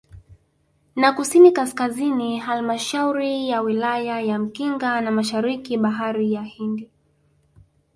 Na Kusini Kaskazini Halmashauri ya Wilaya ya Mkinga na Mashariki bahari ya Hindi